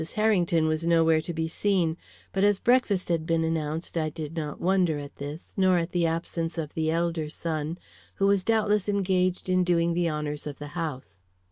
Harrington was nowhere to be seen, but as breakfast had been announced I did not wonder at this, nor at the absence of the elder son, who was doubtless engaged in doing the honors of the house.